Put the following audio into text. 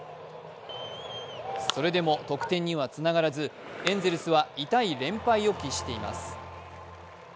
それでも得点にはつながらずエンゼルスは痛い連敗を喫しています。